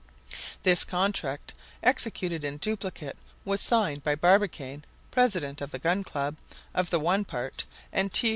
This contract, executed in duplicate, was signed by Barbicane, president of the Gun Club, of the one part, and T.